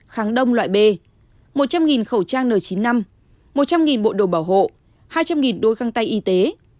kháng đông loại b một trăm linh khẩu trang n chín mươi năm một trăm linh bộ đồ bảo hộ hai trăm linh đôi găng tay y tế